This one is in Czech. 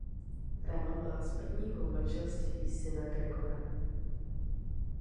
Rama má z prvního manželství.syna Gregora.